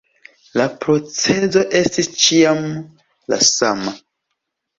La procezo estis ĉiam la sama..